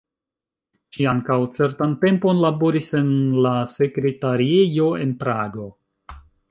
Ŝi ankaŭ certan tempon laboris en la sekretariejo en Prago.